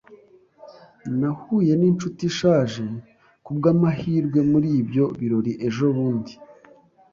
Nahuye ninshuti ishaje kubwamahirwe muri ibyo birori ejobundi.